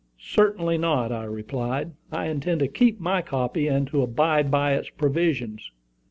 "Certainly not," I replied. "I intend to keep my copy, and to abide by its provisions."